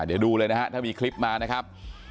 เดี๋ยวดูเลยนะฮะถ้ามีคลิปมานะครับ